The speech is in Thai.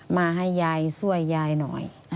มาให้ยายช่วยยายหน่อย